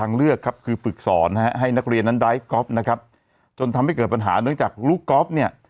นักเรียนนั้นได้กอล์ฟนะครับจนทำให้เกิดปัญหาด้วยจากลูกกอล์ฟเนี่ย